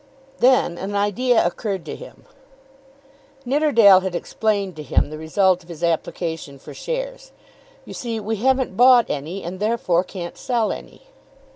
Then an idea occurred to him. Nidderdale had explained to him the result of his application for shares. "You see we haven't bought any and therefore can't sell any.